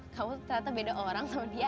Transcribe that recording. kamu ternyata beda orang sama dia